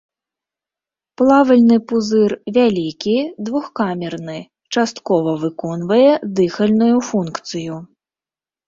Плавальны пузыр вялікі, двухкамерны, часткова выконвае дыхальную функцыю.